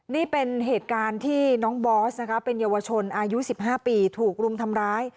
นี่เป็นเหตุการณ์ที่น้องบอสนะคะเป็นเยาวชนอายุ๑๕ปีถูกรุมทำร้าย